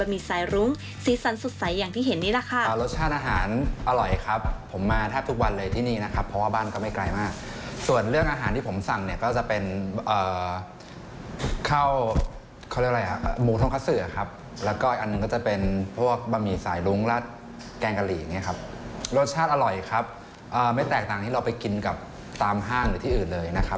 ไม่แตกต่างที่เราไปกินกับตามห้างหรือที่อื่นเลยนะครับ